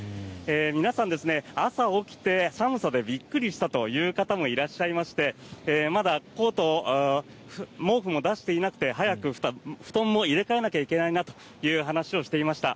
皆さん、朝起きて寒さでびっくりしたという方もいらっしゃいましてまだコート、毛布も出していなくて早く布団も入れ替えなきゃいけないなという話をしていました。